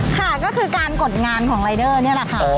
ค่ะก็คือการกดงานของรายเดอร์นี่แหละค่ะ